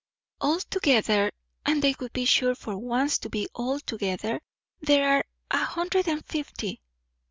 "All together, and they would be sure for once to be all together! there are a hundred and fifty."